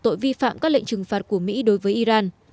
tội vi phạm các lệnh trừng phạt của mỹ đối với iran